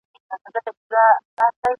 وار په وار پورته كېدله آوازونه !.